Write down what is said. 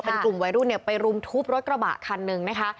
เป็นกลุ่มวัยรุ่นเนี่ยไปรุมทุบรถกระบะคันหนึ่งนะคะ